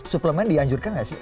suplemen dianjurkan gak sih